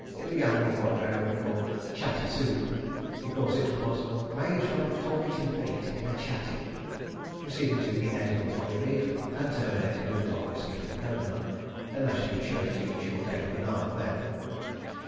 It began with what Vereker called "Chatty" soup (because it was "made from talkative meat, in a chattie"), proceeded to inedible bully beef, and terminated with dog biscuit and coco nut—unless you chose to eat your daily banana then.